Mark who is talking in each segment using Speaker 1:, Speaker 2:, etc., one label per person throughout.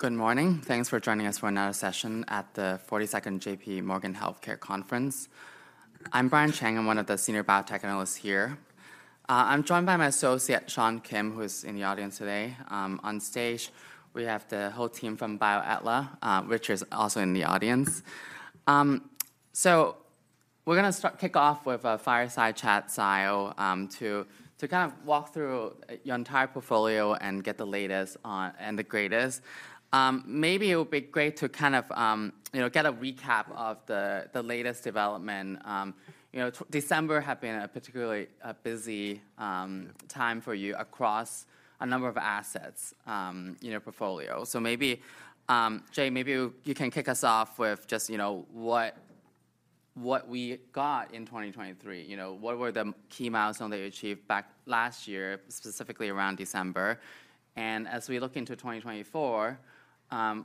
Speaker 1: Good morning. Thanks for joining us for another session at the 42nd JPMorgan Healthcare Conference. I'm Brian Cheng. I'm one of the senior biotech analysts here. I'm joined by my associate, Sean Kim, who is in the audience today. On stage, we have the whole team from BioAtla, which is also in the audience. So we're gonna start, kick off with a fireside chat style, to, to kind of walk through, your entire portfolio and get the latest on, and the greatest. Maybe it would be great to kind of, you know, get a recap of the, the latest development. You know, December had been a particularly, busy, time for you across a number of assets, in your portfolio. So maybe, Jay, maybe you can kick us off with just, you know, what we got in 2023. You know, what were the key milestones that you achieved back last year, specifically around December? And as we look into 2024,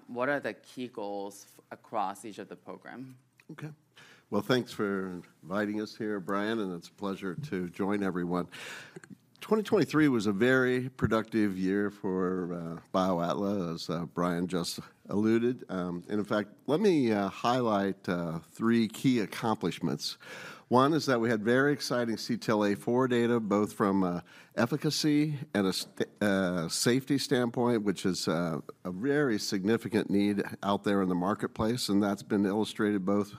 Speaker 1: what are the key goals across each of the program?
Speaker 2: Okay. Well, thanks for inviting us here, Brian, and it's a pleasure to join everyone. 2023 was a very productive year for BioAtla, as Brian just alluded. And in fact, let me highlight three key accomplishments. 1 is that we had very exciting CTLA-4 data, both from efficacy and a safety standpoint, which is a very significant need out there in the marketplace, and that's been illustrated both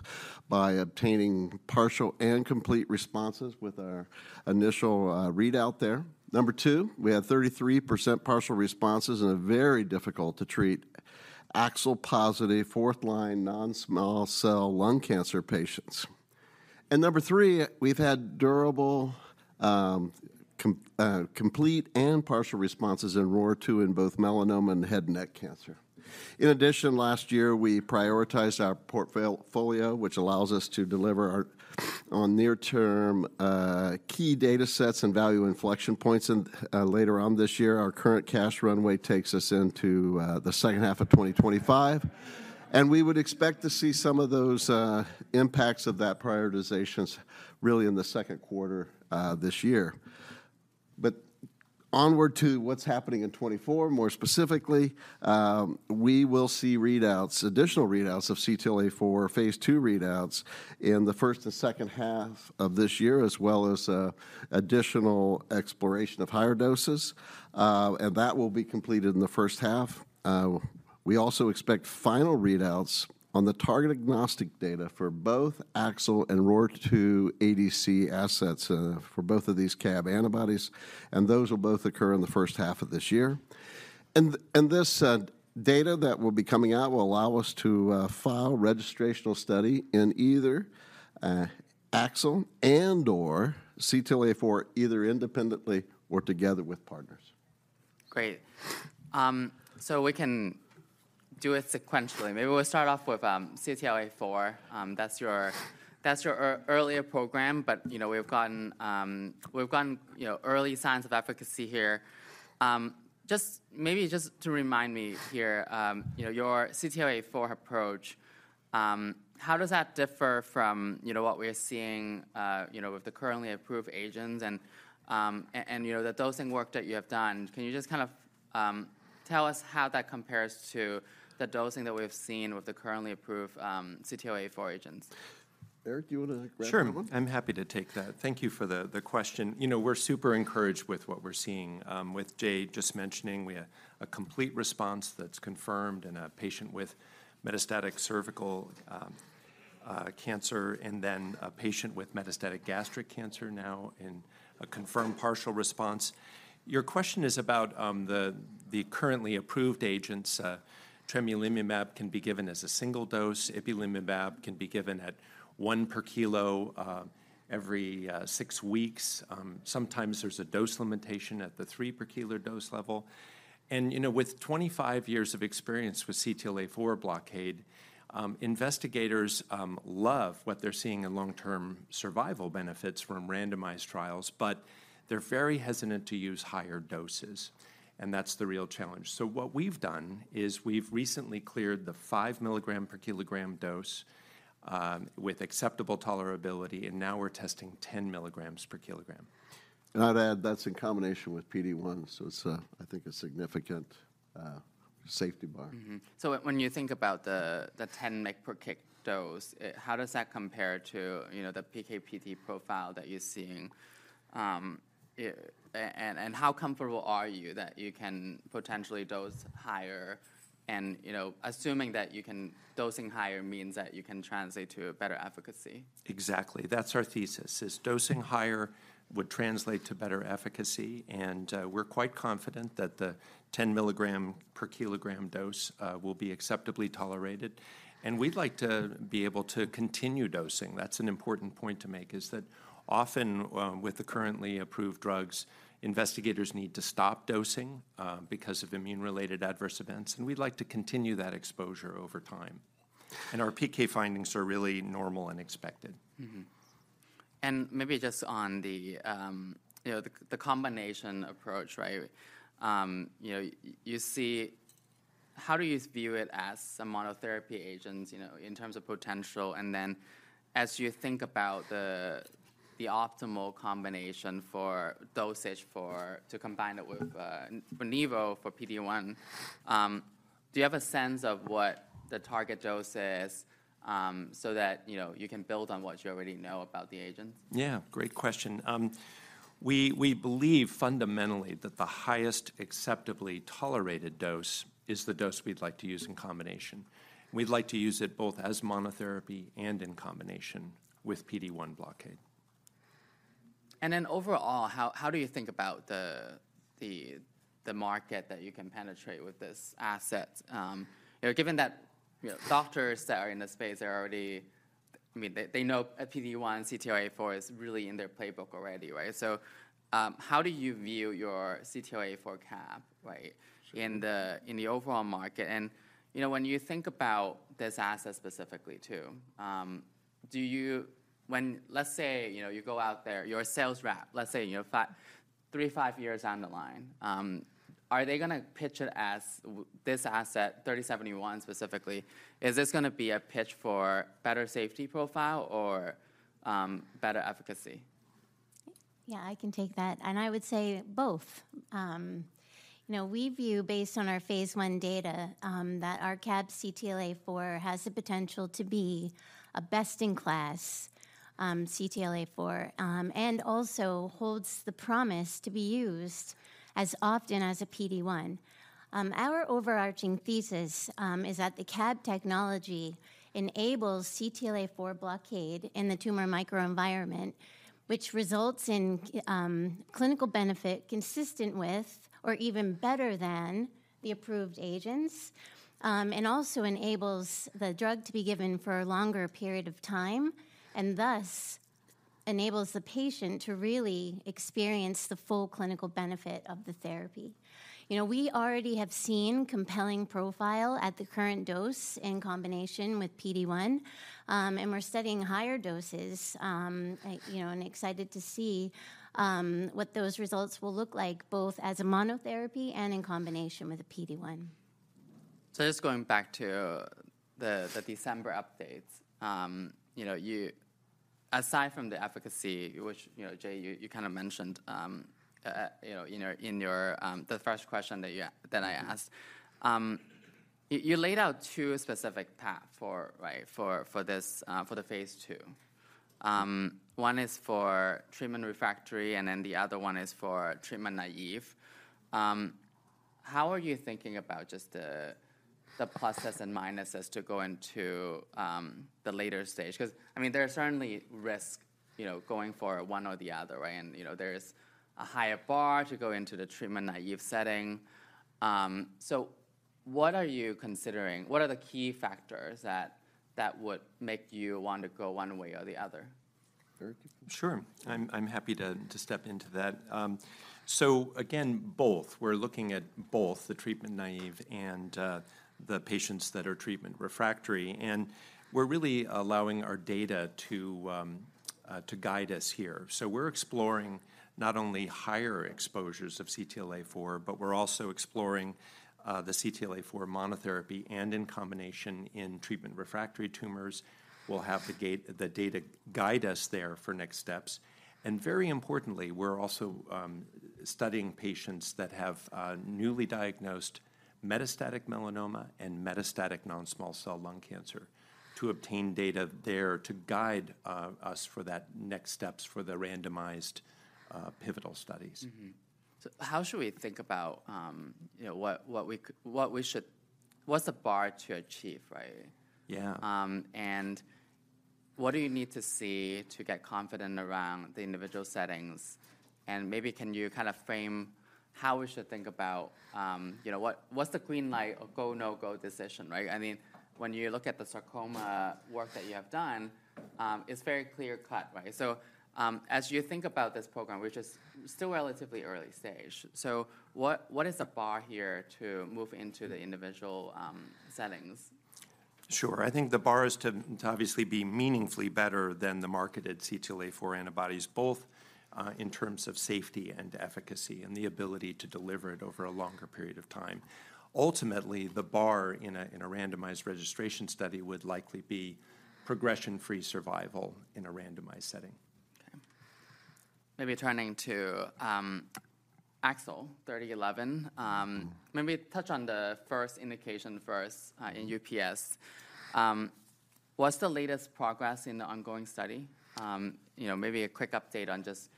Speaker 2: by obtaining partial and complete responses with our initial readout there. Number 2, we had 33% partial responses in a very difficult-to-treat AXL-positive fourth-line non-small cell lung cancer patients. And number 3, we've had durable complete and partial responses in ROR2 in both melanoma and head and neck cancer. In addition, last year, we prioritized our portfolio, which allows us to deliver on our near-term key data sets and value inflection points later on this year. Our current cash runway takes us into the second half of 2025, and we would expect to see some of those impacts of that prioritizations really in the second quarter this year. But onward to what's happening in 2024, more specifically, we will see readouts, additional readouts of CTLA-4 phase II readouts, in the first and second half of this year, as well as additional exploration of higher doses, and that will be completed in the first half. We also expect final readouts on the target-agnostic data for both AXL and ROR2 ADC assets, for both of these CAB antibodies, and those will both occur in the first half of this year. And this data that will be coming out will allow us to file registrational study in either AXL and/or CTLA-4, either independently or together with partners.
Speaker 1: Great. So we can do it sequentially. Maybe we'll start off with CTLA-4. That's your earlier program, but, you know, we've gotten, you know, early signs of efficacy here. To remind me here, you know, your CTLA-4 approach, how does that differ from, you know, what we're seeing, you know, with the currently approved agents and, you know, the dosing work that you have done? Can you just kind of tell us how that compares to the dosing that we've seen with the currently approved CTLA-4 agents?
Speaker 2: Eric, do you want to grab that one?
Speaker 3: Sure, I'm happy to take that. Thank you for the question. You know, we're super encouraged with what we're seeing. With Jay just mentioning, we have a complete response that's confirmed in a patient with metastatic cervical cancer, and then a patient with metastatic gastric cancer now in a confirmed partial response. Your question is about the currently approved agents, tremelimumab can be given as a single dose, ipilimumab can be given at 1 per kilo, every 6 weeks. Sometimes there's a dose limitation at the 3-per-kilo dose level. And, you know, with 25 years of experience with CTLA-4 blockade, investigators love what they're seeing in long-term survival benefits from randomized trials, but they're very hesitant to use higher doses, and that's the real challenge. What we've done is we've recently cleared the 5 mg/kg dose with acceptable tolerability, and now we're testing 10 mg/kg.
Speaker 2: I'd add, that's in combination with PD-1, so it's, I think, a significant safety bar.
Speaker 1: Mm-hmm. So when you think about the 10 mg/kg dose, how does that compare to, you know, the PK/PD profile that you're seeing? And how comfortable are you that you can potentially dose higher and, you know, assuming that you can, dosing higher means that you can translate to a better efficacy.
Speaker 3: Exactly. That's our thesis, is dosing higher would translate to better efficacy, and, we're quite confident that the 10 mg/kg dose will be acceptably tolerated. And we'd like to be able to continue dosing. That's an important point to make, is that often, with the currently approved drugs, investigators need to stop dosing, because of immune-related adverse events, and we'd like to continue that exposure over time. And our PK findings are really normal and expected.
Speaker 1: Mm-hmm. And maybe just on the, you know, the combination approach, right? You know, you see how do you view it as a monotherapy agent, you know, in terms of potential? And then, as you think about the optimal combination for dosage for to combine it with, for nivo, for PD-1. Do you have a sense of what the target dose is, so that, you know, you can build on what you already know about the agent?
Speaker 3: Yeah, great question. We believe fundamentally that the highest acceptably tolerated dose is the dose we'd like to use in combination. We'd like to use it both as monotherapy and in combination with PD-1 blockade.
Speaker 1: Overall, how do you think about the market that you can penetrate with this asset? You know, given that, you know, doctors that are in the space are already—I mean, they know a PD-1 CTLA-4 is really in their playbook already, right? So, how do you view your CTLA-4 CAB, right?
Speaker 3: Sure.
Speaker 1: In the overall market? And, you know, when you think about this asset specifically, too, when let's say, you know, you go out there, you're a sales rep. Let's say, you know, 3-5 years down the line, are they gonna pitch it as this asset, 3071 specifically? Is this gonna be a pitch for better safety profile or better efficacy?
Speaker 4: Yeah, I can take that, and I would say both. You know, we view, based on our phase I data, that our CAB CTLA-4 has the potential to be a best-in-class CTLA-4, and also holds the promise to be used as often as a PD-1. Our overarching thesis is that the CAB technology enables CTLA-4 blockade in the tumor microenvironment, which results in clinical benefit consistent with, or even better than, the approved agents, and also enables the drug to be given for a longer period of time, and thus, enables the patient to really experience the full clinical benefit of the therapy. You know, we already have seen compelling profile at the current dose in combination with PD-1, and we're studying higher doses, like, you know, and excited to see what those results will look like, both as a monotherapy and in combination with a PD-1.
Speaker 1: So just going back to the December updates, you know, you aside from the efficacy, which, you know, Jay, you kind of mentioned, you know, in your, in your, the first question that I asked. You laid out two specific paths for, right, for this, for the phase II. One is for treatment refractory, and then the other one is for treatment naive. How are you thinking about just the plusses and minuses to go into the later stage? 'Cause, I mean, there are certainly risks, you know, going for one or the other, right? And, you know, there is a higher bar to go into the treatment-naive setting. So what are you considering? What are the key factors that would make you want to go one way or the other?
Speaker 3: Sure. Sure, I'm happy to step into that. So again, both. We're looking at both the treatment naive and the patients that are treatment refractory, and we're really allowing our data to guide us here. So we're exploring not only higher exposures of CTLA-4, but we're also exploring the CTLA-4 monotherapy and in combination in treatment-refractory tumors. We'll have the data guide us there for next steps. And very importantly, we're also studying patients that have newly diagnosed metastatic melanoma and metastatic non-small cell lung cancer to obtain data there to guide us for that next steps for the randomized pivotal studies.
Speaker 1: Mm-hmm. So how should we think about, you know, what we should... What's the bar to achieve, right?
Speaker 3: Yeah.
Speaker 1: And what do you need to see to get confident around the individual settings? And maybe can you kind of frame how we should think about, you know, what, what's the green light or go, no-go decision, right? I mean, when you look at the sarcoma work that you have done, it's very clear-cut, right? So, as you think about this program, which is still relatively early stage, so what, what is the bar here to move into the individual, settings?
Speaker 3: Sure. I think the bar is to obviously be meaningfully better than the marketed CTLA-4 antibodies, both in terms of safety and efficacy, and the ability to deliver it over a longer period of time. Ultimately, the bar in a randomized registration study would likely be progression-free survival in a randomized setting.
Speaker 1: Okay. Maybe turning to AXL 3011. Maybe touch on the first indication first, in UPS. What's the latest progress in the ongoing study? You know, maybe a quick update on just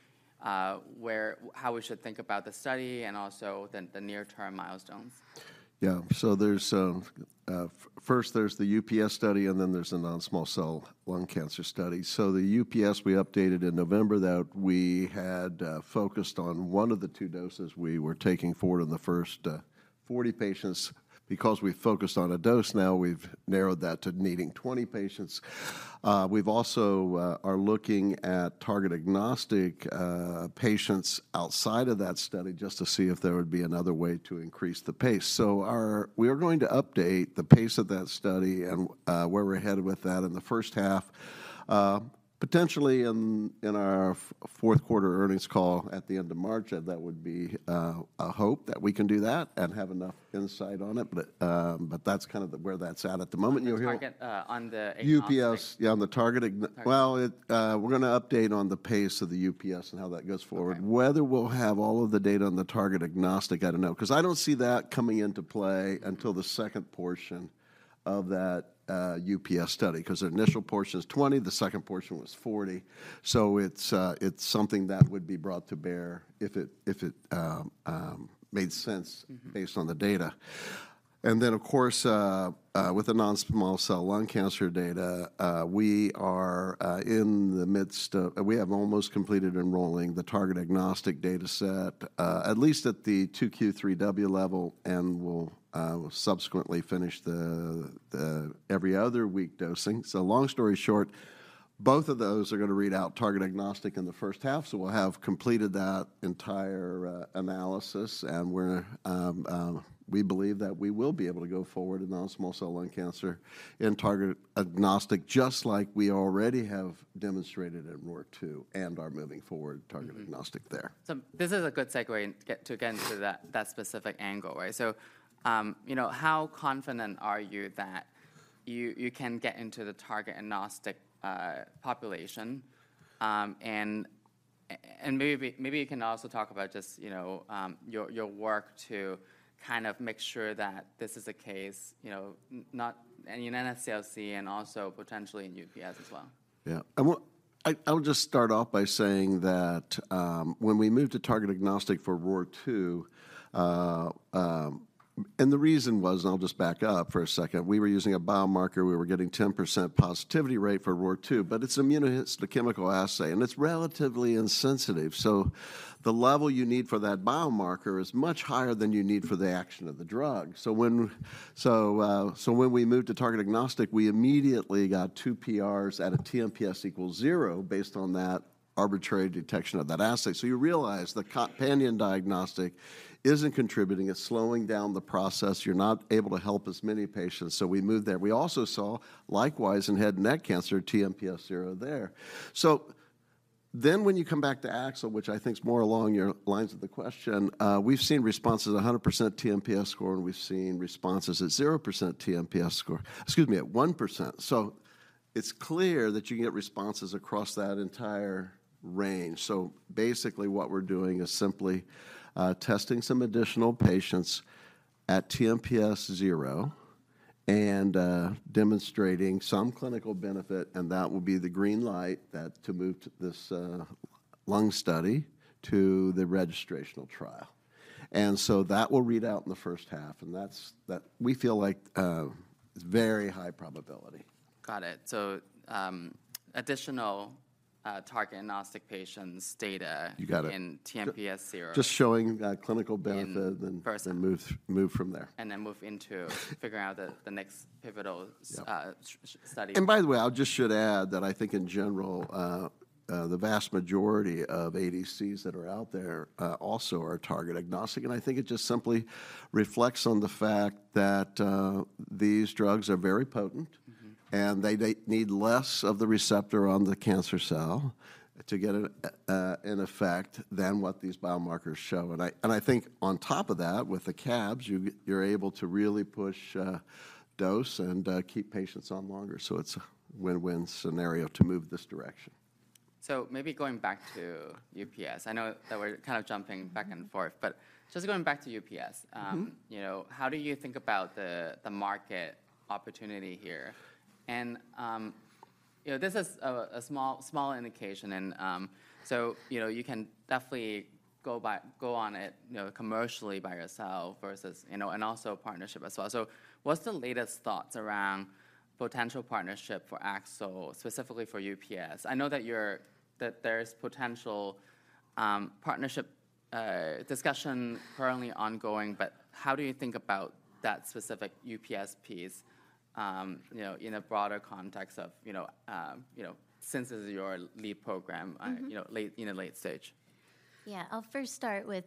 Speaker 1: where, how we should think about the study and also the near-term milestones.
Speaker 2: Yeah. So there's first there's the UPS study, and then there's the non-small cell lung cancer study. So the UPS, we updated in November that we had focused on one of the two doses we were taking forward in the first 40 patients. Because we focused on a dose, now we've narrowed that to needing 20 patients. We've also are looking at target-agnostic patients outside of that study just to see if there would be another way to increase the pace. So we are going to update the pace of that study and where we're headed with that in the first half, potentially in our fourth quarter earnings call at the end of March, and that would be a hope that we can do that and have enough insight on it. But, but that's kind of where that's at, at the moment. You'll hear-
Speaker 1: On the target?
Speaker 2: Yeah, on the target, well, we're gonna update on the pace of the UPS and how that goes forward.
Speaker 1: Okay.
Speaker 2: Whether we'll have all of the data on the target agnostic, I don't know, 'cause I don't see that coming into play until the second portion of that, UPS study, 'cause the initial portion is 20, the second portion was 40. So it's, it's something that would be brought to bear if it, if it, made sense-
Speaker 1: Mm-hmm.
Speaker 2: Based on the data. And then, of course, with the non-small cell lung cancer data, we are in the midst of—we have almost completed enrolling the target agnostic data set, at least at the 2Q, 3W level, and we'll, we'll subsequently finish the every other week dosing. So long story short, both of those are going to read out target agnostic in the first half, so we'll have completed that entire analysis, and we're, we believe that we will be able to go forward in non-small cell lung cancer in target agnostic, just like we already have demonstrated in ROR2 and are moving forward target agnostic there.
Speaker 1: Mm-hmm. So this is a good segue to get into that specific angle, right? So, you know, how confident are you that you can get into the target agnostic population? And maybe you can also talk about just, you know, your work to kind of make sure that this is the case, you know, and in NSCLC and also potentially in UPS as well.
Speaker 2: Yeah. I'll just start off by saying that, when we moved to target agnostic for ROR2, and the reason was, and I'll just back up for a second, we were using a biomarker. We were getting 10% positivity rate for ROR2, but it's immunohistochemical assay, and it's relatively insensitive. So the level you need for that biomarker is much higher than you need for the action of the drug. So when we moved to target agnostic, we immediately got two PRs at a TmPS equals zero based on that arbitrary detection of that assay. So you realize the companion diagnostic isn't contributing, it's slowing down the process. You're not able to help as many patients, so we moved there. We also saw, likewise, in head and neck cancer, TmPS zero there. So then when you come back to AXL, which I think is more along your lines of the question, we've seen responses at 100% TmPS score, and we've seen responses at 0% TmPS score, excuse me, at 1%. So it's clear that you can get responses across that entire range. So basically, what we're doing is simply testing some additional patients at TmPS 0 and demonstrating some clinical benefit, and that will be the green light that to move to this lung study to the registrational trial. And so that will read out in the first half, and that's that. We feel like it's very high probability.
Speaker 1: Got it. So, additional target agnostic patients data-
Speaker 2: You got it....
Speaker 1: in TPS 0.
Speaker 2: Just showing clinical benefit-
Speaker 1: In-
Speaker 2: Then move from there.
Speaker 1: And then move into figuring out the next pivotal study.
Speaker 2: And by the way, I just should add that I think in general, the vast majority of ADCs that are out there, also are target agnostic, and I think it just simply reflects on the fact that, these drugs are very potent.
Speaker 1: Mm-hmm.
Speaker 2: They need less of the receptor on the cancer cell to get an effect than what these biomarkers show. And I think on top of that, with the CABs, you're able to really push dose and keep patients on longer. So it's a win-win scenario to move this direction.
Speaker 1: Maybe going back to UPS. I know that we're kind of jumping back and forth, but just going back to UPS.
Speaker 4: Mm-hmm.
Speaker 1: You know, how do you think about the market opportunity here? You know, this is a small indication, and so you know, you can definitely go on it, you know, commercially by yourself versus you know, and also partnership as well. So what's the latest thoughts around potential partnership for AXL, specifically for UPS? I know that there's potential partnership discussion currently ongoing, but how do you think about that specific UPS piece, you know, in a broader context of, you know, since this is your lead program.
Speaker 4: Mm-hmm.
Speaker 1: You know, late, you know, late stage?
Speaker 4: Yeah. I'll first start with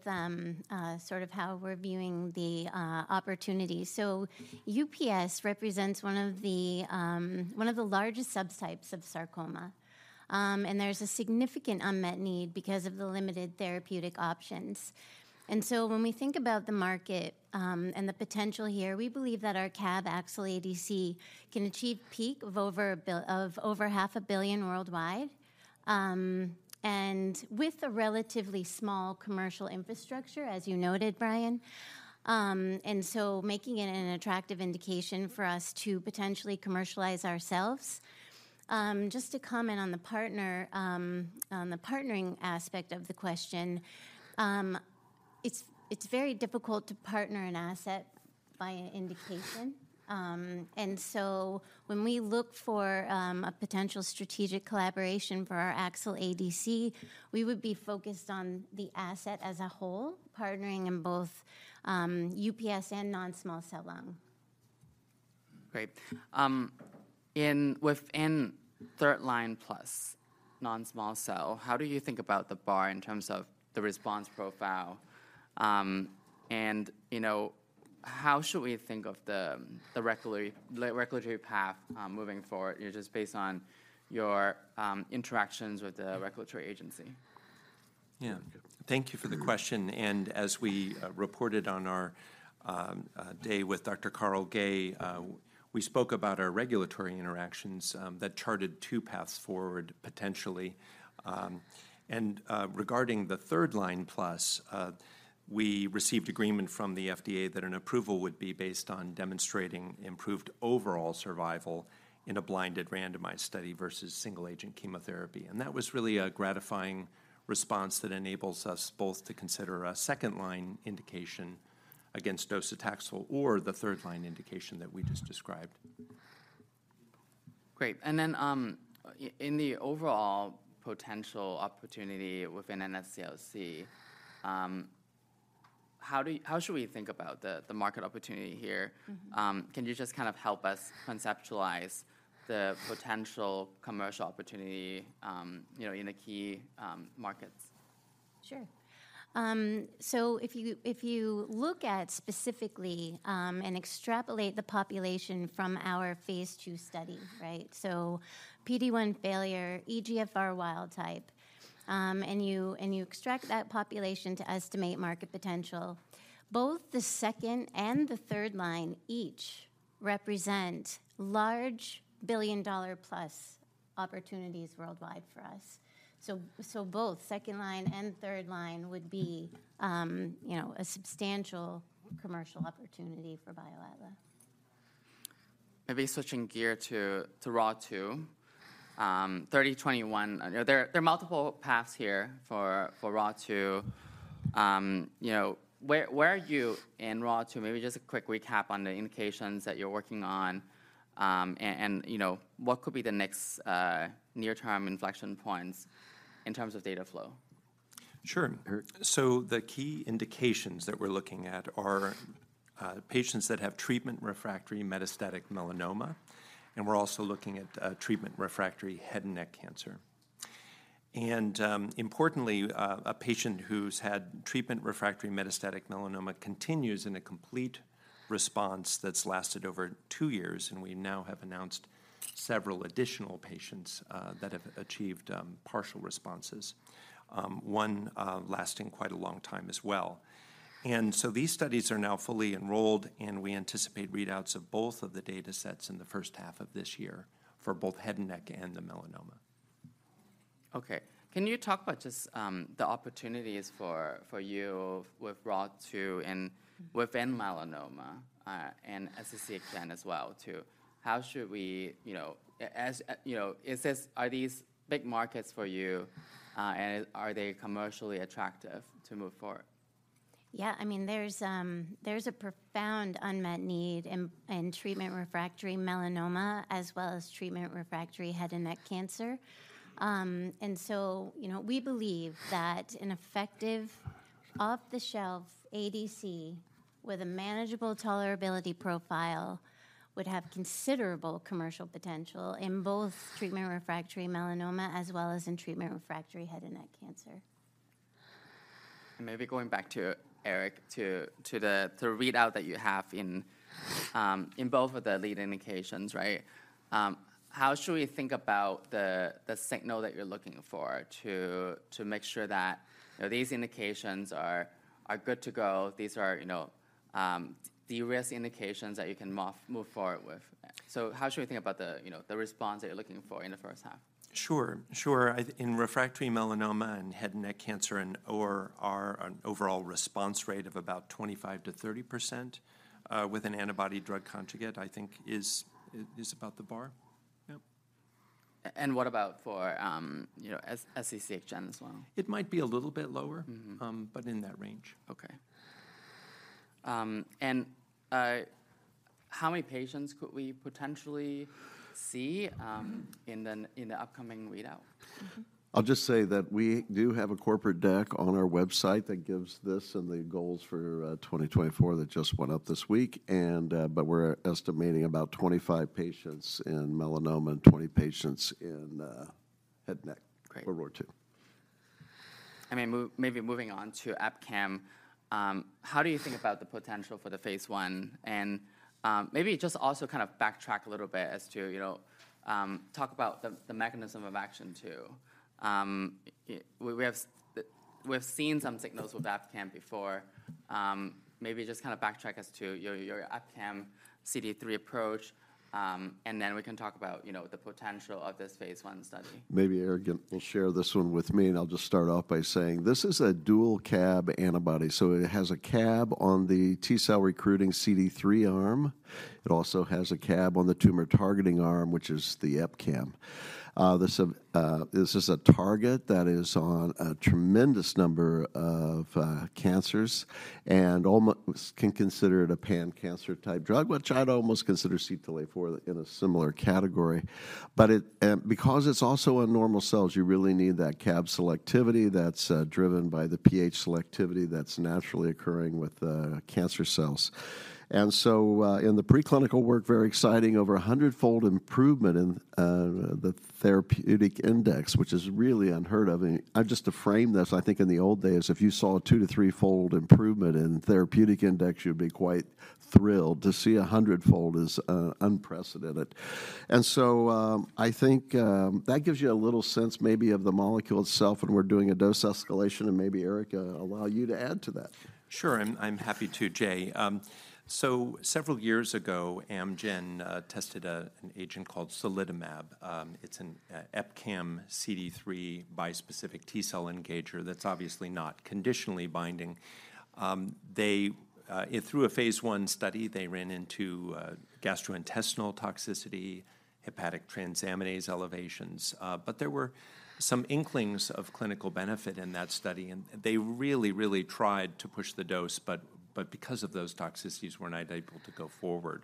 Speaker 4: sort of how we're viewing the opportunity. So UPS represents one of the largest subtypes of sarcoma, and there's a significant unmet need because of the limited therapeutic options. So when we think about the market and the potential here, we believe that our CAB-AXL ADC can achieve peak of over $500 million worldwide, and with a relatively small commercial infrastructure, as you noted, Brian. So making it an attractive indication for us to potentially commercialize ourselves. Just to comment on the partner on the partnering aspect of the question, it's very difficult to partner an asset by an indication. And so when we look for a potential strategic collaboration for our AXL ADC, we would be focused on the asset as a whole, partnering in both UPS and non-small cell lung.
Speaker 1: Great. Within third-line plus non-small cell, how do you think about the bar in terms of the response profile? You know, how should we think of the regulatory path moving forward, you know, just based on your interactions with the regulatory agency?
Speaker 3: Yeah. Thank you for the question. As we reported on our day with Dr. Carl Gay, we spoke about our regulatory interactions that charted two paths forward, potentially. And regarding the third-line plus, we received agreement from the FDA that an approval would be based on demonstrating improved overall survival in a blinded, randomized study versus single-agent chemotherapy. And that was really a gratifying response that enables us both to consider a second-line indication against docetaxel or the third-line indication that we just described.
Speaker 1: Great. And then, in the overall potential opportunity within NSCLC, how should we think about the, the market opportunity here?
Speaker 4: Mm-hmm.
Speaker 1: Can you just kind of help us conceptualize the potential commercial opportunity, you know, in the key markets?
Speaker 4: Sure. So if you, if you look at specifically, and extrapolate the population from our phase II study, right? So PD-1 failure, EGFR wild type, and you, and you extract that population to estimate market potential, both the second and the third line each represent large billion-dollar-plus opportunities worldwide for us. So, so both second line and third line would be, you know, a substantial commercial opportunity for BioAtla.
Speaker 1: Maybe switching gear to ROR2, 3021. There are multiple paths here for ROR2. You know, where are you in ROR2? Maybe just a quick recap on the indications that you're working on, and you know, what could be the next near-term inflection points in terms of data flow?
Speaker 3: Sure. So the key indications that we're looking at are patients that have treatment-refractory metastatic melanoma, and we're also looking at treatment-refractory head and neck cancer. Importantly, a patient who's had treatment-refractory metastatic melanoma continues in a complete response that's lasted over two years, and we now have announced several additional patients that have achieved partial responses, one lasting quite a long time as well. So these studies are now fully enrolled, and we anticipate readouts of both of the data sets in the first half of this year for both head and neck and the melanoma.
Speaker 1: Okay. Can you talk about just the opportunities for you with ROR2 and within melanoma, and SCCHN as well, too? How should we... You know, as you know, are these big markets for you, and are they commercially attractive to move forward?
Speaker 4: Yeah, I mean, there's a profound unmet need in treatment-refractory melanoma as well as treatment-refractory head and neck cancer. And so, you know, we believe that an effective, off-the-shelf ADC with a manageable tolerability profile would have considerable commercial potential in both treatment-refractory melanoma as well as in treatment-refractory head and neck cancer.
Speaker 1: Maybe going back to Eric, to the readout that you have in both of the lead indications, right? How should we think about the signal that you're looking for to make sure that, you know, these indications are good to go, these are, you know, de-risk indications that you can move forward with? How should we think about the, you know, the response that you're looking for in the first half?
Speaker 3: Sure, sure. In refractory melanoma and head and neck cancer and/or are an overall response rate of about 25%-30% with an antibody drug conjugate, I think is about the bar. Yep.
Speaker 1: What about for, you know, SCCHN as well?
Speaker 3: It might be a little bit lower.
Speaker 1: Mm-hmm.
Speaker 3: But in that range.
Speaker 1: Okay. How many patients could we potentially see in the upcoming readout?
Speaker 4: Mm-hmm.
Speaker 2: I'll just say that we do have a corporate deck on our website that gives this and the goals for 2024 that just went up this week, and but we're estimating about 25 patients in melanoma and 20 patients in head and neck for ROR2.
Speaker 1: Great. I mean, maybe moving on to EpCAM, how do you think about the potential for the phase I? And, maybe just also kind of backtrack a little bit as to, you know, talk about the, the mechanism of action, too. We have seen some signals with EpCAM before. Maybe just kind of backtrack us to your, your EpCAM CD3 approach, and then we can talk about, you know, the potential of this phase I study.
Speaker 2: Maybe Eric can share this one with me, and I'll just start off by saying this is a dual CAB antibody, so it has a CAB on the T-cell recruiting CD3 arm. It also has a CAB on the tumor-targeting arm, which is the EpCAM. This is a target that is on a tremendous number of cancers, and we can consider it a pan-cancer type drug, which I'd almost consider CTLA-4 in a similar category. But it, because it's also in normal cells, you really need that CAB selectivity that's driven by the pH selectivity that's naturally occurring with the cancer cells. And so, in the preclinical work, very exciting, over 100-fold improvement in the therapeutic index, which is really unheard of. I, just to frame this, I think in the old days, if you saw a 2- to 3-fold improvement in therapeutic index, you'd be quite thrilled. To see a 100-fold is unprecedented. So, I think that gives you a little sense maybe of the molecule itself, and we're doing a dose escalation, and maybe, Eric, allow you to add to that.
Speaker 3: Sure, I'm happy to, Jay. So several years ago, Amgen tested an agent called solitomab. It's an EpCAM CD3 bispecific T-cell engager that's obviously not conditionally binding. They through a phase I study, they ran into gastrointestinal toxicity, hepatic transaminase elevations. But there were some inklings of clinical benefit in that study, and they really, really tried to push the dose, but because of those toxicities, were not able to go forward.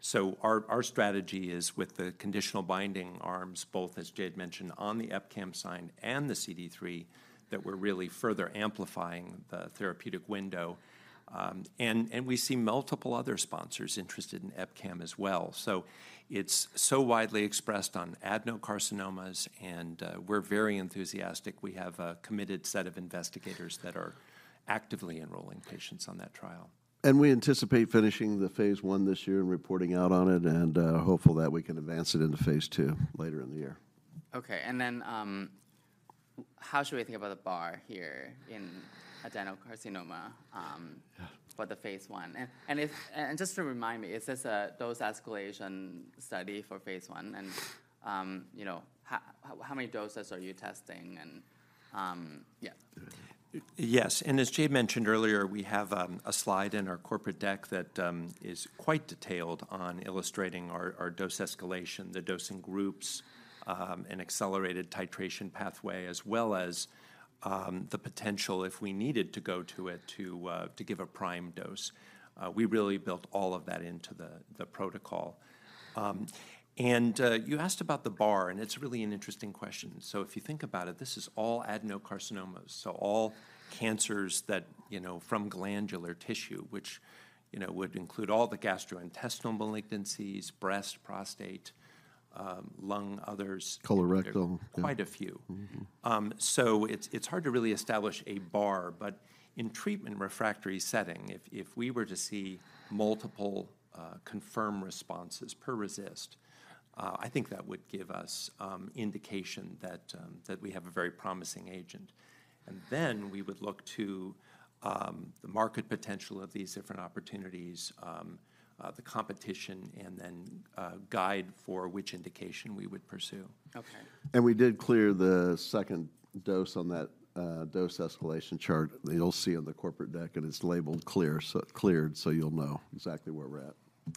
Speaker 3: So our strategy is with the conditional binding arms, both, as Jay mentioned, on the EpCAM side and the CD3, that we're really further amplifying the therapeutic window. And we see multiple other sponsors interested in EpCAM as well. So it's so widely expressed on adenocarcinomas, and we're very enthusiastic. We have a committed set of investigators that are actively enrolling patients on that trial.
Speaker 2: We anticipate finishing the phase I this year and reporting out on it, and hopeful that we can advance it into phase II later in the year.
Speaker 1: Okay, and then, how should we think about the bar here in adenocarcinoma?
Speaker 2: Yeah.
Speaker 1: For the phase I? And just to remind me, is this a dose escalation study for phase I? And, you know, how many doses are you testing? And, yeah.
Speaker 3: Yes, and as Jay mentioned earlier, we have a slide in our corporate deck that is quite detailed on illustrating our dose escalation, the dosing groups, an accelerated titration pathway, as well as the potential, if we needed to go to it, to give a prime dose. We really built all of that into the protocol. And you asked about the bar, and it's really an interesting question. So if you think about it, this is all adenocarcinomas, so all cancers that, you know, from glandular tissue, which, you know, would include all the gastrointestinal malignancies, breast, prostate, lung, others.
Speaker 2: Colorectal.
Speaker 3: Quite a few.
Speaker 2: Mm-hmm.
Speaker 3: So it's hard to really establish a bar, but in treatment refractory setting, if we were to see multiple confirmed responses per RECIST, I think that would give us indication that we have a very promising agent. And then, we would look to the market potential of these different opportunities, the competition, and then guide for which indication we would pursue.
Speaker 1: Okay.
Speaker 2: We did clear the second dose on that dose escalation chart that you'll see on the corporate deck, and it's labeled Clear, so cleared, so you'll know exactly where we're at.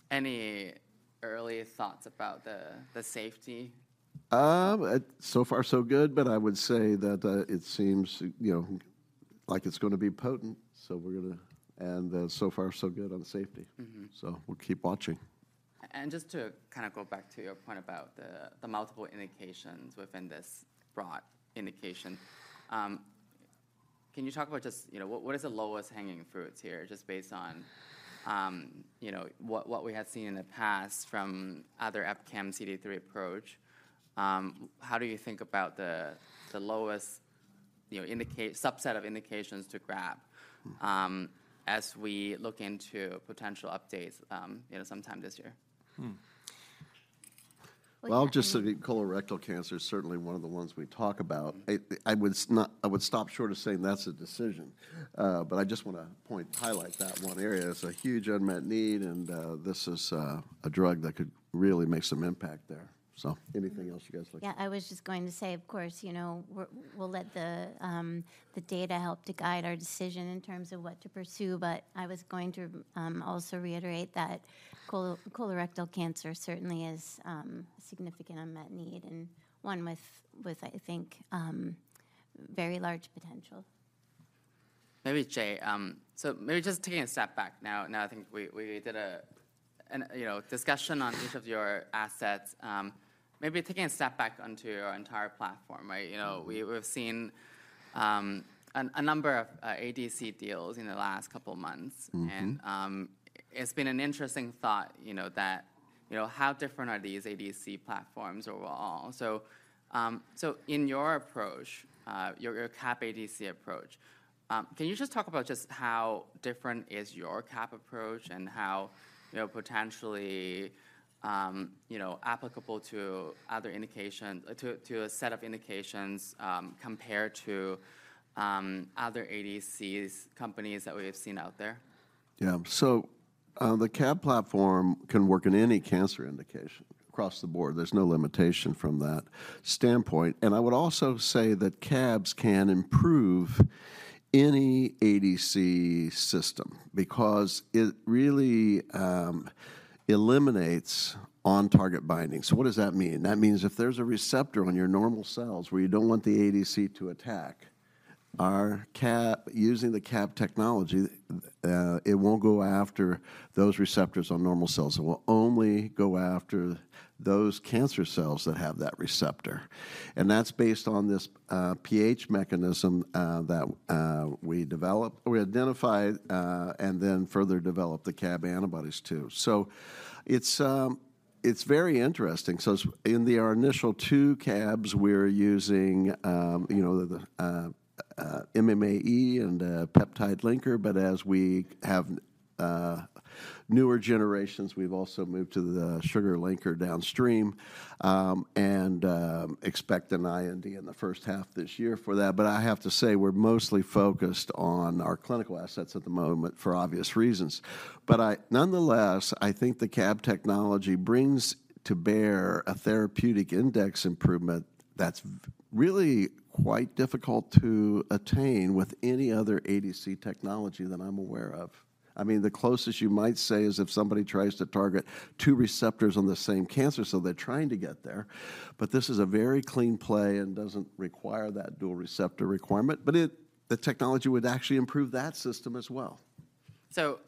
Speaker 1: Any early thoughts about the safety?
Speaker 2: So far so good, but I would say that it seems, you know, like it's gonna be potent, so we're gonna... And so far, so good on safety.
Speaker 1: Mm-hmm.
Speaker 2: We'll keep watching.
Speaker 1: Just to kind of go back to your point about the multiple indications within this broad indication, can you talk about just, you know, what is the lowest hanging fruits here, just based on, you know, what we have seen in the past from other EpCAM CD3 approach? How do you think about the lowest, you know, indication subset of indications to grab, as we look into potential updates, you know, sometime this year?
Speaker 2: Hmm.
Speaker 4: Well.
Speaker 2: I'll just say colorectal cancer is certainly one of the ones we talk about. I would stop short of saying that's a decision, but I just wanna point, highlight that one area. It's a huge unmet need, and this is a drug that could really make some impact there. So anything else you guys would like.
Speaker 4: Yeah, I was just going to say, of course, you know, we're, we'll let the data help to guide our decision in terms of what to pursue, but I was going to also reiterate that colorectal cancer certainly is a significant unmet need and one with, with, I think, very large potential.
Speaker 1: Maybe, Jay, so maybe just taking a step back now. Now, I think we did a you know discussion on each of your assets. Maybe taking a step back onto your entire platform, right? You know, we've seen a number of ADC deals in the last couple of months.
Speaker 2: Mm-hmm.
Speaker 1: It's been an interesting thought, you know, that, you know, how different are these ADC platforms overall? In your approach, your CAB-ADC approach, can you just talk about just how different is your CAB approach and how, you know, potentially, you know, applicable to other indications, to a set of indications, compared to other ADCs, companies that we have seen out there?
Speaker 2: Yeah. So, the CAB platform can work in any cancer indication across the board. There's no limitation from that standpoint. And I would also say that CABs can improve any ADC system because it really eliminates on-target binding. So what does that mean? That means if there's a receptor on your normal cells where you don't want the ADC to attack, our CAB, using the CAB technology, it won't go after those receptors on normal cells. It will only go after those cancer cells that have that receptor, and that's based on this pH mechanism that we developed--we identified and then further developed the CAB antibodies to. So it's very interesting. So in our initial two CABs, we're using, you know, the MMAE and peptide linker, but as we have newer generations, we've also moved to the sugar linker downstream, and expect an IND in the first half of this year for that. But I have to say, we're mostly focused on our clinical assets at the moment, for obvious reasons. But nonetheless, I think the CAB technology brings to bear a therapeutic index improvement that's very, really quite difficult to attain with any other ADC technology that I'm aware of. I mean, the closest you might say is if somebody tries to target two receptors on the same cancer, so they're trying to get there, but this is a very clean play and doesn't require that dual receptor requirement. But the technology would actually improve that system as well.
Speaker 1: So,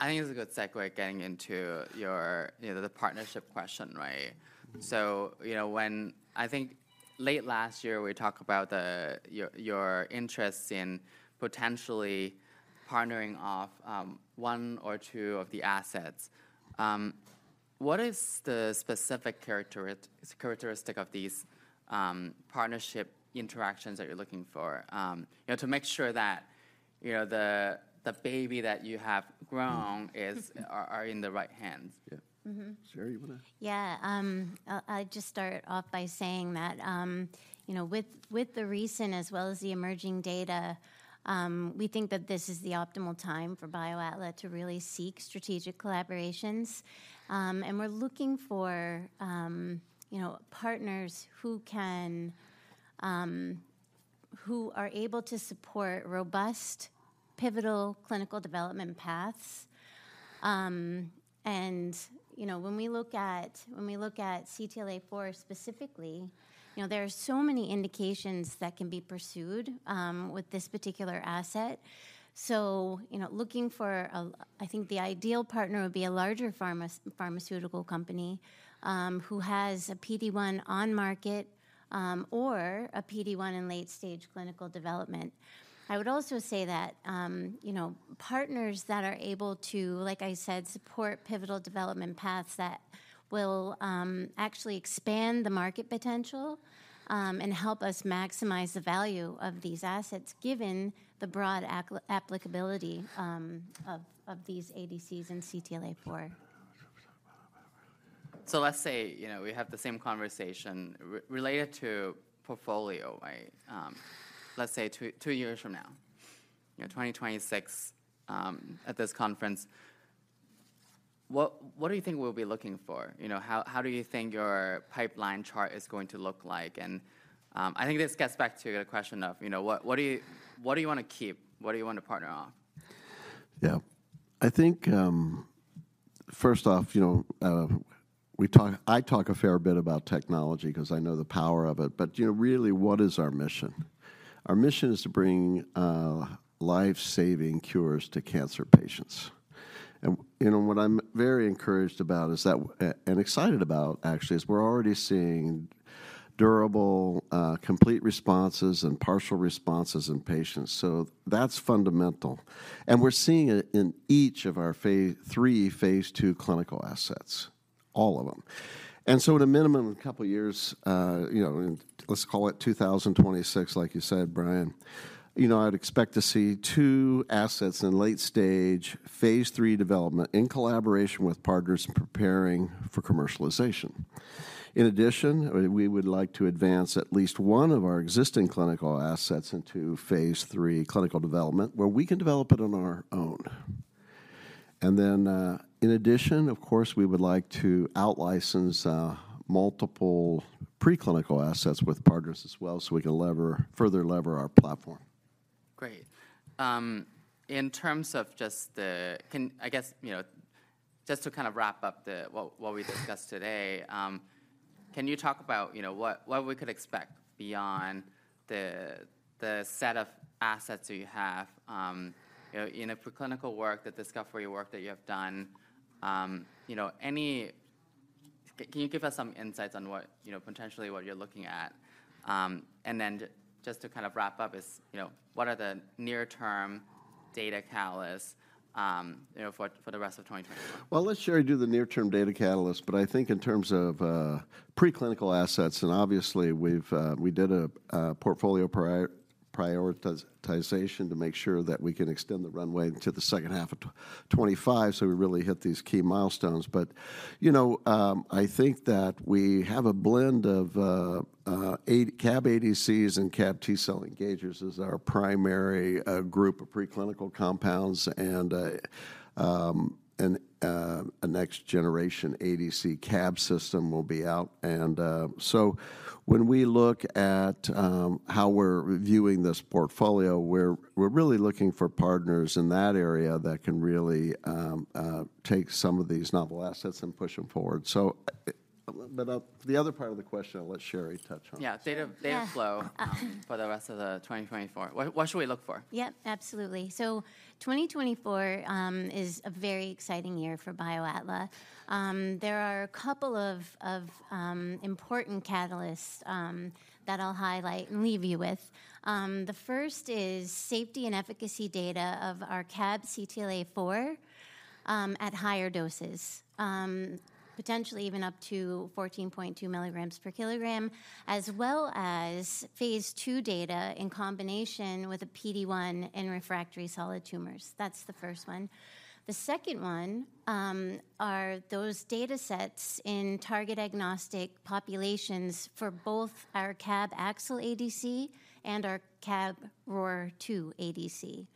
Speaker 1: I think it's a good segue getting into your, you know, the partnership question, right? So, you know, when I think late last year, we talked about the, your interest in potentially partnering off one or two of the assets. What is the specific characteristic of these partnership interactions that you're looking for, you know, to make sure that, you know, the baby that you have grown are in the right hands?
Speaker 2: Yeah.
Speaker 4: Mm-hmm.
Speaker 2: Sheri, you wanna?
Speaker 4: Yeah. I'll just start off by saying that, you know, with the recent as well as the emerging data, we think that this is the optimal time for BioAtla to really seek strategic collaborations. And we're looking for, you know, partners who can, who are able to support robust, pivotal clinical development paths. And, you know, when we look at CTLA-4 specifically, you know, there are so many indications that can be pursued with this particular asset. So, you know, looking for a, I think the ideal partner would be a larger pharmaceutical company, who has a PD-1 on market, or a PD-1 in late-stage clinical development. I would also say that, you know, partners that are able to, like I said, support pivotal development paths that will, actually expand the market potential, and help us maximize the value of these assets, given the broad applicability of these ADCs and CTLA-4.
Speaker 1: So let's say, you know, we have the same conversation related to portfolio, right? Let's say two years from now, you know, 2026, at this conference, what, what do you think we'll be looking for? You know, how, how do you think your pipeline chart is going to look like? And, I think this gets back to your question of, you know, what, what do you, what do you wanna keep? What do you want to partner on?
Speaker 2: Yeah. I think, first off, you know, I talk a fair bit about technology 'cause I know the power of it, but, you know, really, what is our mission? Our mission is to bring life-saving cures to cancer patients. And, you know, what I'm very encouraged about is that and excited about, actually, is we're already seeing durable complete responses and partial responses in patients, so that's fundamental. And we're seeing it in each of our three phase II clinical assets, all of them. And so at a minimum, in a couple of years, you know, let's call it 2026, like you said, Brian, you know, I'd expect to see two assets in late-stage phase III development in collaboration with partners preparing for commercialization. In addition, we would like to advance at least one of our existing clinical assets into phase III clinical development, where we can develop it on our own. Then, in addition, of course, we would like to outlicense multiple preclinical assets with partners as well, so we can further leverage our platform.
Speaker 1: Great. In terms of just the, I guess, you know, just to kind of wrap up the, what, what we discussed today, can you talk about, you know, what, what we could expect beyond the, the set of assets that you have, you know, in the preclinical work, the discovery work that you have done? You know, can you give us some insights on what, you know, potentially what you're looking at? And then just to kind of wrap up is, you know, what are the near-term data catalysts, you know, for, for the rest of 2024?
Speaker 2: Well, let Sheri do the near-term data catalysts, but I think in terms of preclinical assets, and obviously, we did a portfolio prioritization to make sure that we can extend the runway into the second half of 2025, so we really hit these key milestones. But, you know, I think that we have a blend of CAB ADCs and CAB T-cell engagers as our primary group of preclinical compounds, and a next-generation ADC CAB system will be out. So when we look at how we're reviewing this portfolio, we're really looking for partners in that area that can really take some of these novel assets and push them forward. So, but the other part of the question, I'll let Sheri touch on.
Speaker 1: Yeah, data flow for the rest of 2024. What, what should we look for?
Speaker 4: Yep, absolutely. So 2024 is a very exciting year for BioAtla. There are a couple of important catalysts that I'll highlight and leave you with. The first is safety and efficacy data of our CAB-CTLA-4 at higher doses, potentially even up to 14.2 mg/kg, as well as phase II data in combination with a PD-1 in refractory solid tumors. That's the first one. The second one are those datasets in target-agnostic populations for both our CAB-AXL-ADC and our CAB-ROR2-ADC.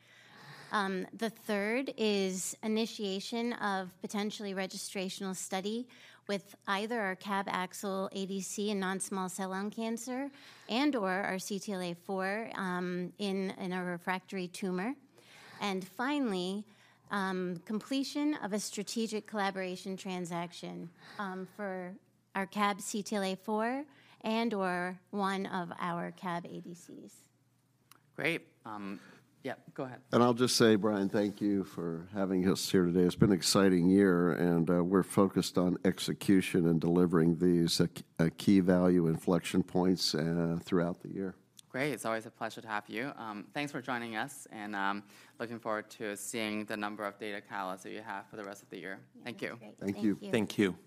Speaker 4: The third is initiation of potentially registrational study with either our CAB-AXL-ADC in non-small cell lung cancer and/or our CTLA-4 in a refractory tumor. And finally, completion of a strategic collaboration transaction for our CAB-CTLA-4 and/or one of our CAB-ADCs.
Speaker 1: Great. Yeah, go ahead.
Speaker 2: I'll just say, Brian, thank you for having us here today. It's been an exciting year, and we're focused on execution and delivering these at key value inflection points throughout the year.
Speaker 1: Great. It's always a pleasure to have you. Thanks for joining us, and looking forward to seeing the number of data catalysts that you have for the rest of the year. Thank you.
Speaker 4: Great.
Speaker 2: Thank you.
Speaker 4: Thank you.
Speaker 3: Thank you.